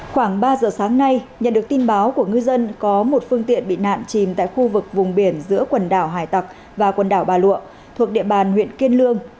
khoảng ba giờ sáng nay nhận được tin báo của ngư dân có một phương tiện bị nạn chìm tại khu vực vùng biển giữa quần đảo hải tạc và quần đảo bà lụa thuộc địa bàn huyện kiên lương